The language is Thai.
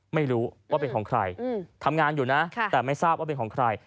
ไม่รู้ว่าเป็นของใครทำงานอยู่นะแต่ไม่ทราบว่าเป็นของใคร